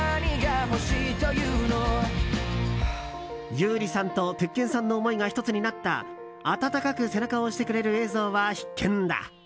優里さんと鉄拳さんの思いが１つになった温かく背中を押してくれる映像は必見だ。